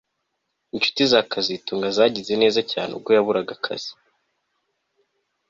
Inshuti za kazitunga zagize neza cyane ubwo yaburaga akazi